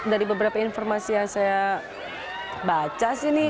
dari beberapa informasi yang saya baca sih